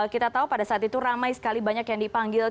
kita tahu pada saat itu ramai sekali banyak yang dipanggil